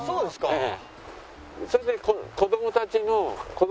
ええ。